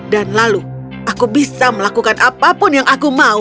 dan lalu aku bisa melakukan apapun yang aku mau